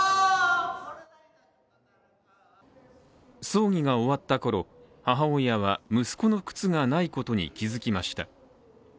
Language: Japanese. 葬儀が終わったころ、母親は息子の靴がないことに気づきました。